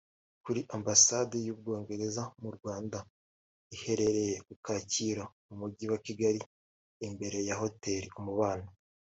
Kuri Ambasade y’u Bwongereza mu Rwanda iherereye ku Kacyiru mu mujyi wa Kigali imbere ya Hotel Umubano